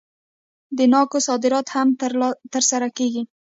د ناکو صادرات هم ترسره کیږي.